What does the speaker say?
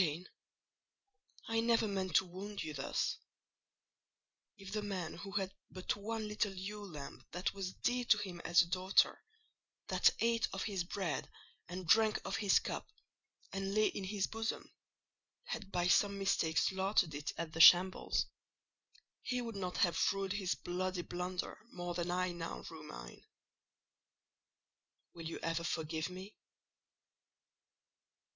"Jane, I never meant to wound you thus. If the man who had but one little ewe lamb that was dear to him as a daughter, that ate of his bread and drank of his cup, and lay in his bosom, had by some mistake slaughtered it at the shambles, he would not have rued his bloody blunder more than I now rue mine. Will you ever forgive me?"